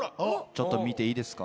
ちょっと見ていいですか？